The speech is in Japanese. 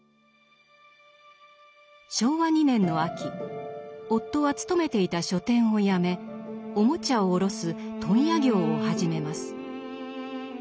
昭和２年の秋夫は勤めていた書店を辞めおもちゃを卸す問屋業を始めます。